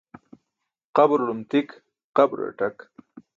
Qaburulum tik qaburar ṭak.